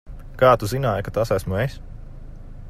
Kā tu zināji, ka tas esmu es?